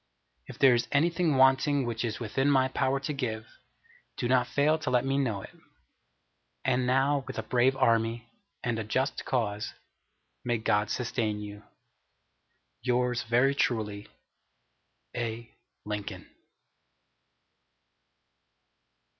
If there is anything wanting which is within my power to give, do not fail to let me know it. And now with a brave Army, and a just cause, may God sustain you. Yours very truly, A. LINCOLN.